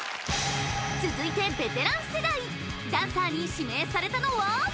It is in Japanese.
続いてベテラン世代ダンサーに指名されたのは？